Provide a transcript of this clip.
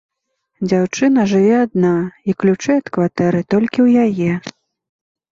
Дзяўчына жыве адна і ключы ад кватэры толькі ў яе.